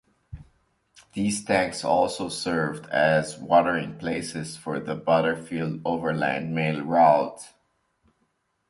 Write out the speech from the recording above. These tanks also served as watering places for the Butterfield Overland Mail Route.